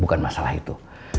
bukan masalah itu